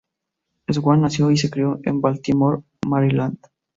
Swann nació y se crio en Baltimore, Maryland.